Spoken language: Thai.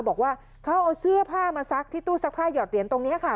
บอกว่าเขาเอาเสื้อผ้ามาซักที่ตู้ซักผ้าหยอดเหรียญตรงนี้ค่ะ